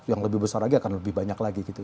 yang lebih besar lagi akan lebih banyak lagi gitu